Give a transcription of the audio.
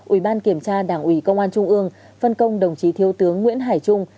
ủy ban kiểm tra đảng ủy công an trung ương phân công đồng chí thiếu tướng nguyễn hải trung